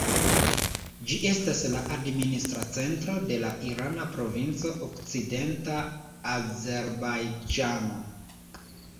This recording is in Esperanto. Ĝi estas la administra centro de la irana provinco Okcidenta Azerbajĝano.